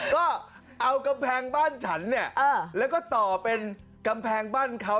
ก็เอากำแพงบ้านฉันเนี่ยแล้วก็ต่อเป็นกำแพงบ้านเขา